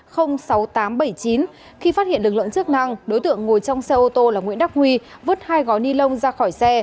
khi phát hiện lực lượng chức năng đối tượng ngồi trong xe ô tô là nguyễn đắc huy vứt hai gói ni lông ra khỏi xe